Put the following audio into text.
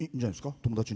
友達に。